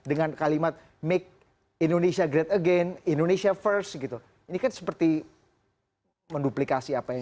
dengan kalimat make indonesia great again indonesia first gitu ini kan seperti menduplikasi apa yang